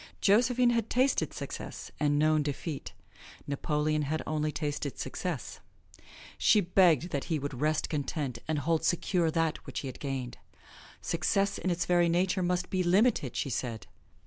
Josephine had tasted success and known defeat. Napoleon had only tasted success. She begged that he would rest content and hold secure that which he had gained. Success in its very nature must be limited, she said.